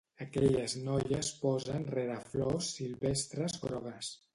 Aquelles noies posen rere flors silvestres grogues.